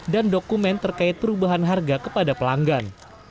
dan dokumen terkait perubahan harga kepada pelanggan